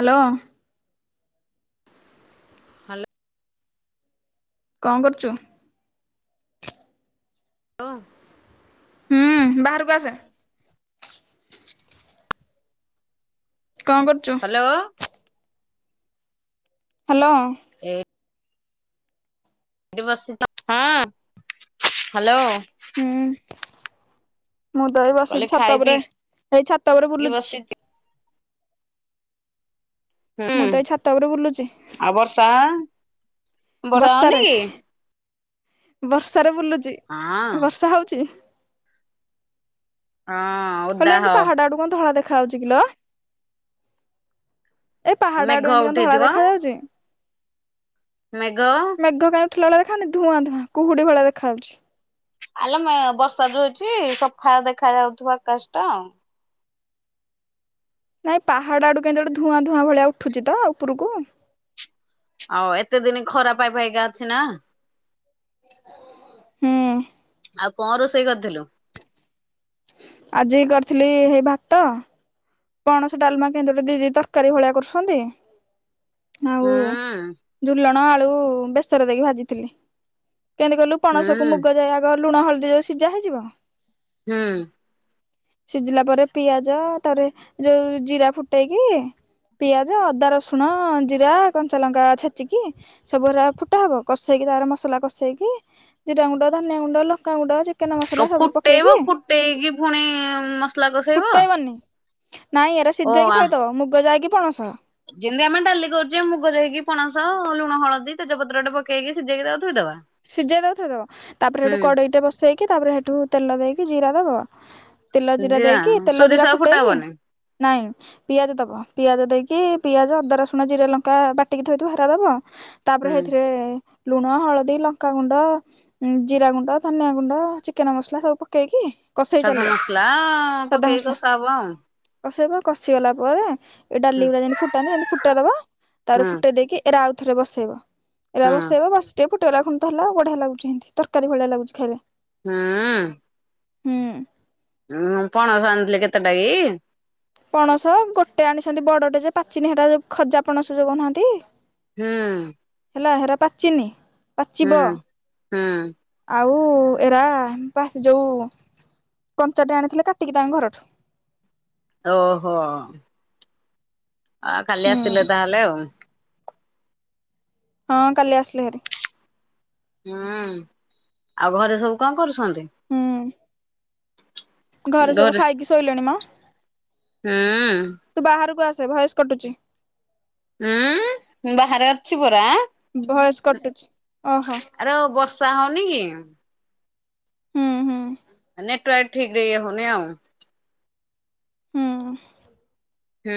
Hello. ହାଲ କଣ କରୁଛୁ? ଓ। ହୁଁ ବାହାରକୁ ଆସେ। କଣ କରୁଛୁ? Hello hello. ଏ ଏଇଠି ବସି ହଁ ହାଲୋ। ହୁଁ। ମୁଁ ତ ଏଇ କହିଲି ବସିଛି ଖାଇ ଛାତ ଉପରେ ପିଇକି ଏଇ ଛାତ ଉପରେ ବୁଲୁଛି। ବସିଚି। ମୁଁ ହୁଁ ତ ଏଇ ଛାତ ଉପରେ ବୁଲୁଛି ଆଉ ବର୍ଷା? ବର୍ଷା ବର୍ଷାରେ ହଉନି କି? ବର୍ଷାରେ ବୁଲୁଚି ହଁ ବର୍ଷା ହଉଚି। ହଁ ହାଲୋ ଓଦାହ ଏମିତି ପାହାଡା ଆଡୁ କଣ ଧଳା ଦେଖା ଯାଉଛି କିଲୋ। ଏ ପାହାଡ ମେଘ ଆଡୁ ଏମିତି କଣ ଧଳା ଦେଖା ଯାଉଛି? ମେଗ ମେଘ କାଇଁ ଉଠିଲା ଭଳିଆ ଦେଖାଯାଉନି ଧୂଆଁ ଧୂଆଁ କୁହୁଡି ଭଳିଆ ଦେଖାଯାଉଛି। ଆଲମ ବର୍ଷା ଯୋଉ ହେଇଛି ସଫା ଦେଖା ଯାଉଥିବା ଆକାଶ ଟା। ନାଇଁ ପାହାଡ ଆଡୁ କେମିତି ଗୋଟେ ଧୂଆଁ ଧୂଆଁ ଭଳିଆ ଉଠୁଛି ତ ଉପରକୁ। ଆଉ ଏତେ ଦିନ ଖରା ପାଇପାଇ କା ଅଛି ନା। ହୁଁ। ଆଉ କଣ ରୋଷେଇ କରିଥିଲୁ? ଆଜି କରିଥିଲି ହେଇ ଭାତ। ପଣସ ଡାଲମା କେମିତି ଗୋଟେ ଦିଦି ତରକାରୀ ଭଳିଆ କରୁଛନ୍ତି। ହୁଁ। ଯୋଉ ବେସର ଦେଇକି ଭାଜିଥିଲି କେମିତି କୁ ପଣସ କୁ ହୁଁ ମୁଗ ଯାଇ ଆଗ ଲୁଣ ହଲ୍ ଯୋଉ ସିଝା ହେଇ ଯିବ। ହୁଁ। ସିଝିଲା ପରେ ପିଆଜ ତାରେ ଯୋଉ ଜିରା ଫୁଟେଇକି ପିଆଜ ଅଦା ରସୁଣ ଜିରା କଞ୍ଚା ଲଙ୍କା ଛେଚିକି ସବୁରା ଫୁଟା ହବ କଷେ କି ତାର ମସଲା କସେଇକି ଜିରା ଗୁଣ୍ଡ ଧନିଆ ଗୁଣ୍ଡ ଲଙ୍କା ଗୁଣ୍ଡ। ଚିକେନ ମସଲା ସବୁ ଫୁଟେଇବ ପକେଇକି ଫୁଟେଇକି ପୁଣି ମସଲା କଷେଇବ। ଫୁଟେଇବନି ନାଇଁ ଏରା ଓ ସିଝାଇକି ଆ ଥୋଇଥବ ମୁଗ ଯାଇକି ପଣସ। ଯେମିତି ଆମେ ଡାଲି କରୁଛେ ମୁଗ ଯାଇକି ପଣସ ଲୁଣ ହଳଦୀ [unintelligible] ଟେ ପକେଇ ଶିଝେଇକି ତାକୁ ଥୋଇଦବା। ସିଝେଇ ତାକୁ ଥୋଇଦବ ତାପରେ ସେଠୁ ହୁଁ କଡେଇଟେ ବସେଇକି ତାପରେ ସେଠୁ ତେଲ ଦେଇକି ଜିରା ଦବ। ତେଲ ଜିରା ଦେଇକି ତେଲ ସୋରିଷ ଜିରା ଆଉ ଫୁଟା ଫୁଟେଇକି ହବନି। ନାଇଁ। ପିଆଜ ଦବ ପିଆଜ ଦେଇକି ପିଆଜ ଅଦା ରସୁଣ ଜିରା ଲଙ୍କା ବାଟିକି ଥୋଇଥିବ ହେରା ଦବ। ତାପରେ ହୁଁ ସେଥିରେ ଲୁଣ ହଳଦୀ ଲଙ୍କ କା ଗୁଣ୍ଡ ଜିରା ଗୁଣ୍ଡ ଧନିଆ ଗୁଣ୍ଡ ଚିକେନ ମସଲା ସବୁ ପକେଇକି କଷେଇ ସାଧା ଚାଲିବ ମସଲା ସାଧା ପକେଇକି ମସଲା କଷା ହବ ଆଉ। କଷେଇବ। କଷି ଗଲା ପରେ ଏ ଡାଲି ହୁଁ ଗୁଡା ଯେମି ଫୁଟାନ୍ତି ସେମିତି ଫୁଟେଇ ଦବା ତାପରେ ଫୁଟେଇ ଦେଇକି ଏ ଆଉ ଥରେ ବସେଇବ ଏରା ହୁଁ ବସେଇବା ବାସ ଟେ ପୁଟେଗରା ଖଣ୍ଡ ତ ହେ ଆ ବଢିଆ ଲାଗୁଛି ଏମିତି ତରକାରୀ ଭଳିଆ ଲାଗୁଛି ଖାଇଲେ। ହୁଁ। ହୁଁ। ହୁଁ ପଣସ ଆଣିଥିଲି କେତେଟା କି? ପଣସ ଗୋଟେ ଆଣିଛନ୍ତି ବଡଟେ ଯେ ପାଚିନୀ ହେଡା ଯୋଉ ଖଜା ପଣସ ଯୋଉ କହୁନାହାନ୍ତି। ହୁଁ। ହେଲା ହେରା ପାଛିନି ହୁଁ ପଚିବ। ହୁଁ ଆଉ ଏରା ପାସ୍ ଯୋଉ କଞ୍ଚାଟେ ଆଣିଥିଲେ କାଟିକି ତାଙ୍କ ଘରଠୁ। ଓହୋ। ଆ କାଲି ହୁଁ ଆସିଲେ ତାହେଲେ ଆଉ। ହଁ କାଲି ଆସିଲୁ ହାରି। ହୁଁ ଆଉ ଘରେ ସବୁ କଣ କରୁଛନ୍ତି? ହୁଁ। ଘରେ ସବୁ ଖାଇକି ଶୋଇଲେଣି ମ। ହୁଁ। କୁ ଆସେ ଭୟେସ କଟୁଛି। ଉଁ ବାହାରେ ଅଛି ବୋ ଆଁ ଭଏସ କଟୁଛି ଓହୋ ହୁଁ ହୁଁ। ନେଟୱର୍କ ଠିକ୍ ରେ ଇଏ ହଉନି ଆଉ। ହୁଁ ଉଁ। ହୁଁ।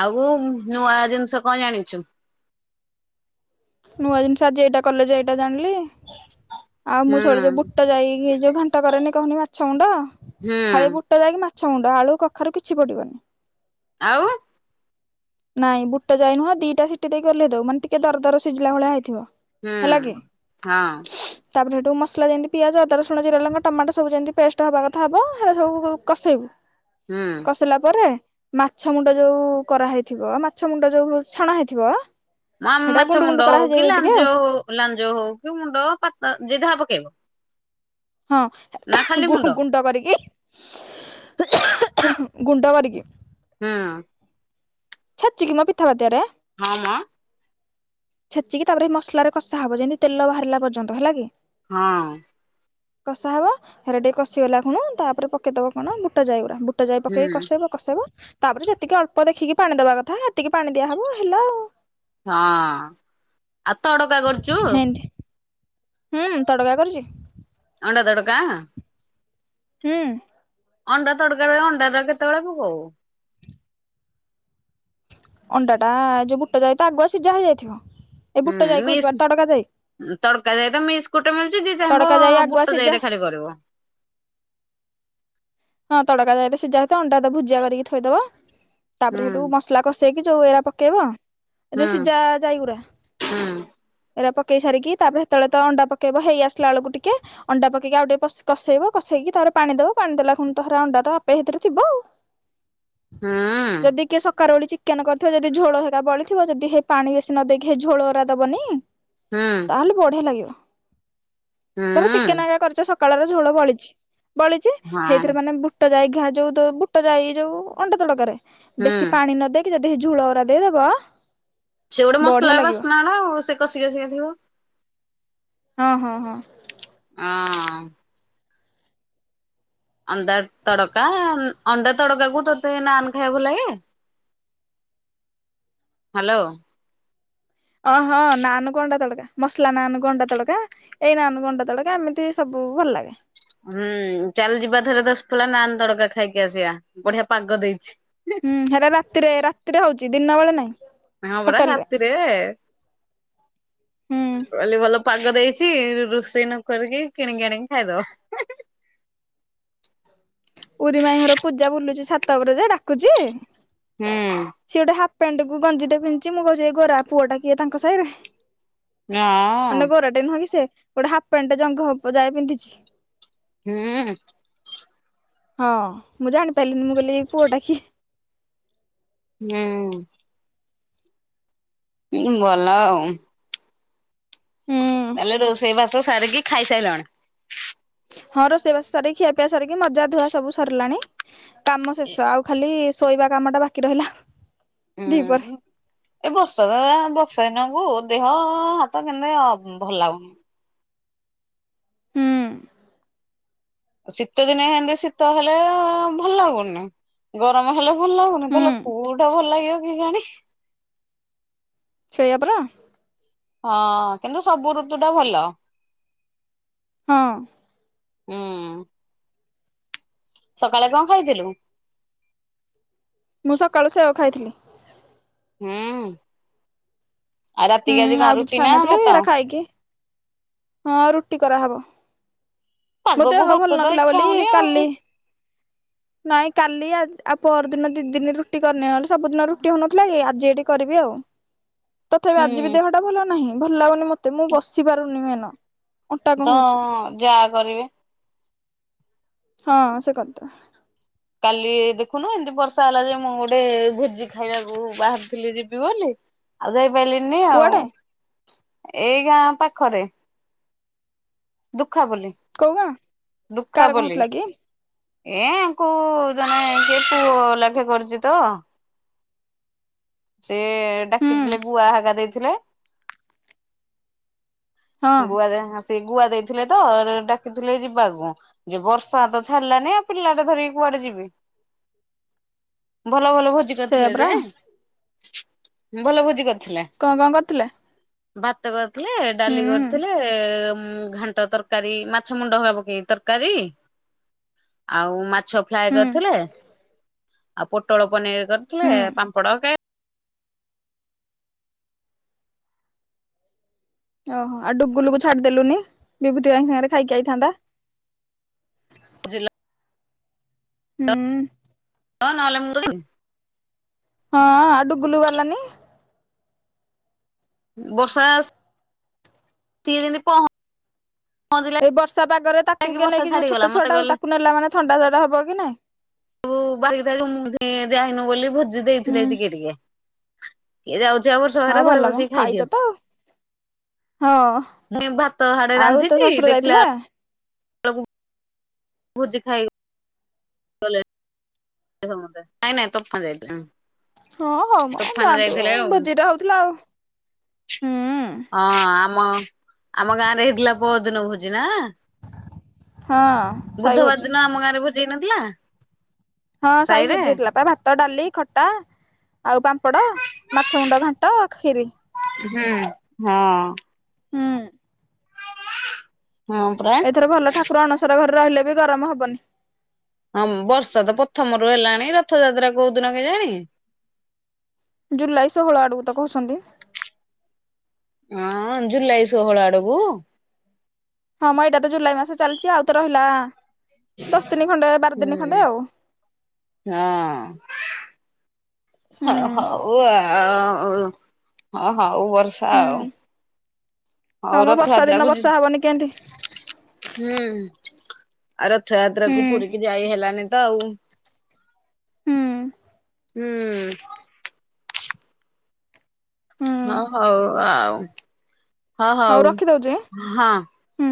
ଆଉ ନୂଆ ଜିନିଷ କଣ ଜାଣିଚୁ? ନୂଆ ଜିନିଷ ଆଜି ଏଇଟା କଲେ ଯେ ଏଇଟା ଜାଣିଲି। ଆଉ ମୁଁ ଥରେ ଯୋଉ ହୁଁ ବୁଟ ଜାଇକି ଯୋଉ ଘାଣ୍ଟ କରେନି କହୁନି ମାଛ ଗୁଣ୍ଡ ଖାଲି ହୁଁ ବୁଟ ଜାଇକି ମାଛ ମୁଣ୍ଡ ଆଳୁ କଖାରୁ କିଛି ପଡିବନି। ଆଉ? ନାଇଁ ବୁଟ ଯାଇ ନୁହଁ ଦିଟା ସିଟି ଦେଇକି ଓହ୍ଲେଇ ଦଉ ମାନେ ଟିକେ ଦର ଦର ସିଝିଲା ଭଳିଆ ହେଇଥିବ। ହୁଁ ହେଲା କି ହଁ। ତାପରେ ସେଠୁ ମସଲା ଯେମିତି ପିଆଜ ଅଦା, ରସୁଣ, ଜିରା, ଲଙ୍କା, ଟମାଟ ସବୁ ଯେମିତି ପେଷ୍ଟ ହବା କଥା ହବ ହେରା ସବୁ କଷେଇବୁ ହୁଁ କସିଲା ପରେ ମାଛ ମୁଣ୍ଡ ଯୋଉ କରାହେଇଥିବ ମାଛ ମୁଣ୍ଡ ଯୋଉ ଛଣା ହେଇଥିବ ଆ ହେଟା ମାଛ ଗୁଣ୍ଡୁ ଗୁଣ୍ଡୁ ମୁଣ୍ଡ ହଉ କି କରାହେଇଯିବ ଟିକେ ଲାଞ୍ଜ ହଉ, ଲାଞ୍ଜ ହଉ କି ମୁଣ୍ଡ ପାତ ଯିଏ ଯାହା ପକେଇବ। ହଁ, ନା ଖାଲି ମୁଣ୍ଡ ଗୁଣ୍ଡ କରିକି ଗୁଣ୍ଡ କରିକି ହଁ। ଛେଚିକି ମ ପିଥା ପାତିଆରେ। ହଁ, ମ। ଛେଚିକି ତାପରେ ଏ ମସଲାରେ କଷା ହବ ଯେମିତି ତେଲ ବାହାରିଲା ପର୍ଯ୍ୟନ୍ତ ହେଲା କି? ହଁ। କଷା ହବ ହେରା ଟିକେ କଷିଗଲା ଖୁଣୁ ତାପରେ ପକେଇଦବ କଣ ବୁଟ ଜାଇଗୁରା ବୁଟ ବୁଟ ଜାଇ ପକେଇକି ହୁଁ କସେଇବ କସେଇବ ତାପରେ ଯେତିକି ଅଳ୍ପ ଦେଖିକି ପାଣି ଦବା କଥା ହେତିକି ପାଣି ଦିଆହବ ହେଲା ଆଉ ହଁ, ଆଉ ତଡକା କରୁଚୁ? ହେନ୍ତି ହୁଁ ତଡକା କରିଚି। ଅଣ୍ଡା ତଡକା ହୁଁ। ଅଣ୍ଡା ତଡକାରେ ଅଣ୍ଡାଟା କେତେବେଳେ ପକଉ? ଅଣ୍ଡା ଟା ଯୋଉ ବୁଟ ଜାଇ ତ ଆଗୁଆ ସିଝା ହେଇଯାଇଥିବ। ଏ ବୁଟ ହୁଁ ଜାଇକୁ ମିସ୍ ତଡକା ଦେଇ ତଡକା ଯାଇ ତ ମିସ୍କି ମିଳୁଚି ଯିଏ ଯାହାକୁ ତଡକା ଯାଇ ଆଗୁଆ ବୁଟ ସିଝା ଜାଇରେ ଖାଲି କରିବ ହଁ, ତଡକା ଜାଇ ତ ସିଝା ହେଇଥିବ ଅଣ୍ଡା ଭୁଜିଆ କରିକି ଥୋଇଦବ ତାପରେ ହୁଁ ହେଠୁ ମସଲା କସି ସେଇକି ଯୋଉ ଏରା ପକେଇବ ଯୋଉ ସିଝା ଜାଇ ଗୁରା ଏରା ପ ପକେଇ ସାରିକି ତାପରେ ସେତେବେଳେ ତ ଅଣ୍ଡା ପକେଇବ ହେଇ ଆସିଲା ବେଳକୁ ଟିକେ ଅଣ୍ଡା ପକେଇକି ଆଉ ଟିକେ କସେଇବ କସେଇକି ତା ପାଣି ଦବ ପାଣି ଦେଲା ତହରା ଅଣ୍ଡା ତ ଆପେ ଭିତରେ ଥିବ ଆଉ ଯଦି କିଏ ସକାଳ ଓଳି ଚିକେନ କରିଥିବ ଯଦି ଝୋଳ ହେରା ବଳିଥିବ ଯଦି ହେ ପାଣି ବେଶୀ ନ ଦେଇକି ସେଇ ଝୋଳ ହରା ଦବନି ତାହେଲେ ବଢିଆ ଲାଗିବ। ଧର ଚିକେନ ଆଗ କରିଚ ସକାଳର ଝୋଳ ବଳିଚି ବଳିଚି ହେଇ ବୁଟ ଜାଇ ଘାଁ ଯୋଉ ବୁଟ ଜାଇ ଯୋଉ ଅଣ୍ଡା ତଡ଼କାରେ ବେଶୀ ପାଣି ନଦେଇ ଯଦି ଝୁଳ ଓରା ଦେଇଦବ ସେ ଗୋଟେ ବଢିଆ ମସଲାର ଲାଗିବ ବାସ୍ନାନା ଆଉ ସେ କଷିକି କଷିକି ଥିବ। ହଁ, ହଁ, ହଁ। ହଁ। ଅଣ୍ଡା ତଡକା, ଅଣ୍ଡା ତଡକା କୁ ତତେ ନାନ ଖାଇବା ଭଲଲାଗେ? ହ୍ୟାଲୋ। ଓହଁ ନାନ ଅଣ୍ଡା ତଡକା ମସଲା ନାନ ଅଣ୍ଡା ତଡକା ଏଇ ନାନ ଅଣ୍ଡା ତଡକା ଏମିତି ସବୁ ଓ ଭଲ ହୁଁ ଚାଲି ଯିବା ଥରେ ଦଶ ଫଲା ନାନ୍ ତଡକା ଖାଇକି ଆସିବା ବଢିଆ ପାଗ ଦେଇଚି। ହୁଁ ହେରା ରାତିରେ ରାତିରେ ହୋଉଚି ଦିନରେ ନାଇଁ। ହଁ ପରା ହୋଟେଲ ରେ ରାତିରେ ହୁଁ କାଲି ଭଲ ପାଗ ଦେଇ କିଛି ରୋଷେଇ ନ କରିକି କିଣିକି ଆଣିକି ଖାଇଦବ। ଉରି ମାଇଁ ଘର ପୂଜା ବୁଲୁଚି ଛାତ ଉପରେ ଯ ଡାକୁଚି, ହୁଁ ସି ଗୋଟେ ପେଣ୍ଡୁକୁ ଗଞ୍ଜି ପିନ୍ଧି ମୁଁ କହୁଚି ଏ ଗୋରା ପୁଅ ଟା କିଏ ତାଙ୍କ ସହି ରେ। ହଁ ମାନେ ଗୋରାଟେ ନୁହଁ କି ସେ ଗୋଟେ ହାଫ ପ୍ୟାଣ୍ଟ ଟା ଜଙ୍ଘ ଯାଏ ପିନ୍ଧିଚି। ହୁଁ ହଁ ମୁଁ ଜାଣିପାରିଲିନି ମୁଁ କହିଲି ପୁଅ ଟା କିଏ? ହୁଁ। ହଁ ବଲ ଆଉ। ତାହେଲେ ରୋଷେଇ ବାସ ସାରିକି ଖାଇସାରିଲାଣି। ହଁ ରୋଷେଇବାସ ସରିିକି ଖିଆ ପିଇଆ ସରିକି ମଜା ଧୁଆ ସବୁ ସରିଲାଣି, କାମ ଶେଷ ଆଉ ଖାଲି ଶୋଇବା କାମ ଟା ବାକି ରହିଲା। ଦିପହରେ। ହୁଁ ଏ ବର୍ଷା ତ ବର୍ଷା ଦିନକୁ ହଁ ହଁ ହାତ କେମତି ଭଲ ଲାଗୁନି। ହୁଁ। ଶୀତ ଦିନେ ହେମତି ଶୀତ ହେଲେ ଭଲ ଲାଗୁନି, ଗରମ ହେଲେ ଭଲ ଲାଗୁନି ହୁଁ ତାହେଲେ କୋଉଟା ଭଲ ଲାଗିବ କେଏତି ସେଇଆ ପରା। ହଁ କିନ୍ତୁ ସବୁ ଋତୁ ଟା ଭଲ। ହଁ। ହୁଁ। ସକାଳେ କଣ ଖାଇଥିଲୁ? ମୁଁ ସକାଳୁ ସେଓ ଖାଇଥିଲି। ହୁଁଉ ରାତି ହୁଁ କ ଆଜି କ ଆଉ କିଛି ରୁଟି ନା ଖାଇନଥିଲି ଭାତ? ଏରା ଖାଇକି ହଁ ରୁଟି କରାହବ। ମୋ ପାଗକୁ ଦେହ ଭାତ ଭଲ ତ ନଥିଲା ଇଚ୍ଛା ବୋଲି ହଉନି ଆଉ କାଲି ନାଇଁ କାଲି ଆଉ ପର ଦିନ ଦି ଦିନ ରୁଟି କରିନି ନହେଲେ ସବୁଦିନ ରୁଟି ହଉନଥିଲା କି ଆଜି ଏଠି କରିବି ଆଉ। ତଥାପି ଆଜି ବି ହୁଁ ଦେହ ଟା ଭଲ ନାହିଁ ଭଲ ଲାଗୁନି ମତେ ମୁଁ ବସି ପାରୁନି ମେନ। ଅଣ୍ଟା କଣ ତ ହଉଛି ଯାହା କରିବେ ହଁ ଆ କରିଦେବେ। କାଲି ଦେଖୁନୁ ଏମିତି ବର୍ଷା ହେଲା ଯେ ମୁଁ ଗୋଟେ ଭୋଜି ଖାଇବାକୁ ବାହାରିଥିଲି ଯିବି ବୋଲି ଆଉ ଯାଇପାରିଲିନି ଆଉ କୁଆଡେ ଏଇ ଗାଁ ପାଖରେ। ଖ ବୋଲି କୋଉ ଗାଁ ଦୁଃଖ କାର କଣ ବୋଲି। ହଉଥିଲା କି ଏ କ ଜଣେ କିଏ ପୁଅ ଲାଖେ କରୁଚି ତ। ସେ ହୁଁ ଡାକିଥିଲେ ବୁଆ ହାଗା ଦେଇଥିଲେ। ହଁ ଗୁଆ ଦେ ସେ ଗୁଆ ଦେଇଥିଲେ ତ ଡାକିଥିଲେ ଯିବାକୁ ଯେ ବର୍ଷା ତ ଛାଡିଲାନି ଆଉ ପିଲା ଟା ଧରିକି କୁ ଯି ଭଲ ଭଲ ଭୋଜି ସେଇଆ କରିଥିଲେ ଯେ। ପରା ଭଲ ଭୋଜି କରିଥିଲେ। କଣ କଣ କରିଥିଲେ ଭାତ କରିଥିଲେ ହୁଁ ଡାଲି କରିଥିଲେ ଘାଣ୍ଟ ତରକାରୀ ମାଛ ମୁଣ୍ଡ ହବା ପକେଇକ ତରକାର ତରକାରୀ। ହ ଆଉ ମାତ୍ ମାଛ ଫ୍ରାଏ କରିଥିଲେ, ଆଉ ପୋଟଳ ପନିର କରିଥିଲେ, ହୁଁ ପାମ୍ପଡ଼, କେ ଓହୋ! ଆଉ ଡୁଗୁଲକୁ ଛାଡିଦେଲୁନି ବିଭୂତି ଭାଇଙ୍କ ସାଙ୍ଗରେ ଖାଇକି ଆଇଥାନ୍ତା। ଜିଲ ହୁଁ। ହଁ, ନଅଲେ ମୁଁ ତ ଜିମିନି? ହଁ, ଆ ଡୁଗୁଲୁ ଗଲାନି। ବର୍ଷା ଆସ୍ ତି ଦିନ ପହଂ ଏଇ ବର୍ଷା ପାଗରେ ତାକୁ କି କେ ବର୍ଷା ନେଇକି ଯିବ। ଛାଡିଗଲା ଛୋଟ ଛୁଆ ମତେ ଟାକୁ, କହିଲେ ତାକୁ ନେଲା ମାନେ ଥଣ୍ଡା ଜର ହବ କି ନାଇଁ? ବୁ ବାରି ତାରି ମୁଁ, ଯେ ଯାଇନୁ ବୋଲି ଭୋଜି ଦେଇଥିଲେ ହୁଁ ଟିକେ ଟିକେ। କିଏ ଯାଉଛି ଆଉ ବର୍ଷା ହଁ ପାଗରେ! ଘରେ ଭଲ ମ ବସିକି ଖାଇଛ ଖାଇଦିଅ। ତ ଆଉ ହଁ ମୁଁଇ ଭାତ ହାଡେ ଆଉ ତୋ ରାନ୍ଧିଛି, ଶ୍ୱଶୁର ଯାଇଥିଲେ ଦେଖିଲାଆଳକୁ ଭୁଜି ଖାଇ କଲେଜ, [inaudible] ନାଇଁ ନାଇଁ ତୋଫା ଯାଇଥିଲା। ହଁ, ହଉ ମ ଯାଆନ୍ତୁ। ହଁ ଭେଜିଟା ହଉଥିଲା ଆଉ। ହୁଁ। ମ ଆମ ଗାଁ ରେ ହେଇଥିଲା ପରଅଦିନ ଭୋଜି ନା! ହଁ ସାଇ ବୁଧବାର ଭୋଜି ଦିନ ଆମ ଗାଁରେ ଭୋଜି ହେଇନଥିଲା? ହଁ, ସାଇ ସାହିରେ? ଭୋଜି ହୋଇଥିଲା ଭାତ, ଡାଲି, ଖଟା ଆଉ ପାମ୍ପଡ଼, ମାଛ ମୁଣ୍ଡ ଘାଣ୍ଟ, ଖିରି। ହୁଁ, ହଁ। ହୁଁ। ହଁ ପରା। ଏଥର ଭଲ ଠାକୁର ଅଣସର ଘରେ ରହିଲେ ବି! ଗରମ ହବନି। ହଁ, ବର୍ଷା ତ ପ୍ରଥମରୁ ହେଲାଣି, ରଥଯାତ୍ରା କୋଉ ଦିନ କେଆଣି? ଜୁଲାଇ ଷୋହଳ ଆଡକୁ ତ କହୁଛନ୍ତି। ହଁ, ଅଁ ଜୁଲାଇ ଷୋହଳ ଆଡକୁୁ? ହଁ, ମଁ ଏଇଟା ତ ଜୁଲାଇ ମାସ ଚାଲିଛି। ଆଉ ତ ରହିଲା -ଆ ହୁଁ, ହଁ। ହ ହଉ ଆଉ। ହୁଁ ଅଉ ହଁ, ହଉ ବର୍ଷା ଆଉ। ହଉ ହଁମ ବର୍ଷା ରଥଯାତ୍ରା ଦିନ କୁ ଯି ବର୍ଷା ହବନି କେଁ ତି? ହୁଁ ଆଉ, ରଥଯାତ୍ରା କୁ ପୁରୀକି ଯାଇ ହେଲାନି ତ ଆଉ? ହୁଁ। ହୁଁ। ହୁଁ ହଁ, ହଉ ଆଉ। ହଁ, ହଉ ହଁ। ହୁଁ